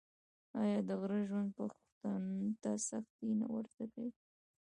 آیا د غره ژوند پښتون ته سختي نه ور زده کوي؟